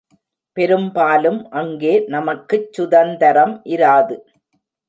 பெரும்பாலும் அங்கே நமக்குச் சுதந்தரம் இராது.